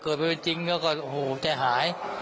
เกิดไปขยายจิงแล้วก็โหใจหาย